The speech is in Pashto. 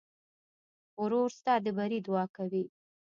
ورور ستا د بري دعا کوي.